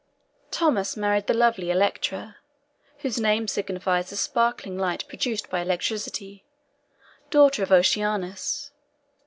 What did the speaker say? Thaumas married the lovely Electra (whose name signifies the sparkling light produced by electricity), daughter of Oceanus.